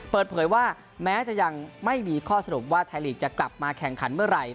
เปิดเผยว่าแม้จะยังไม่มีข้อสรุปว่าไทยลีกจะกลับมาแข่งขันเมื่อไหร่